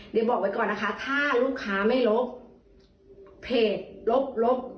เดี๋ยวบอกไว้ก่อนนะคะถ้าลูกค้าไม่ลบเพจลบลบ